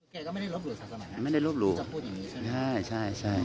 แกก็ไม่ได้ลูบหรูสักสมัยนะจะพูดอย่างนี้ใช่ไหม